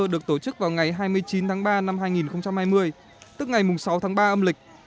được tổ chức vào ngày hai mươi chín tháng ba năm hai nghìn hai mươi tức ngày sáu tháng ba âm lịch